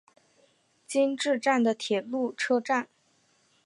今治站的铁路车站。